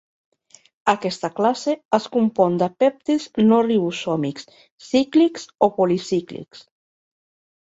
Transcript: Aquesta classe es compon de pèptids no ribosòmics cíclics o policíclics.